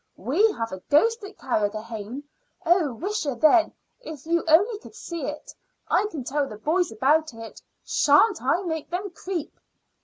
We have a ghost at Carrigrohane. Oh, wisha, then, if you only could see it! I can tell the boys about it. Sha'n't I make them creep?"